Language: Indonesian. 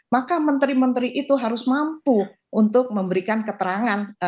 maka menteri menteri itu harus mampu untuk memberikan keterangan